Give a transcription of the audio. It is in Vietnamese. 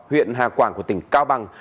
huyện hà quảng của tỉnh cao bằng